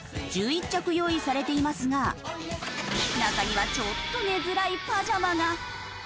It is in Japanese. １１着用意されていますが中にはちょっと寝づらいパジャマが。